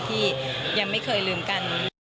ที่ยังไม่เคยลืมกัน